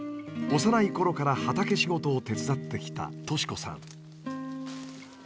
幼い頃から畑仕事を手伝ってきた稔子さん。